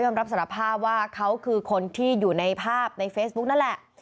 รับสารภาพว่าเขาคือคนที่อยู่ในภาพในเฟซบุ๊กนั่นแหละ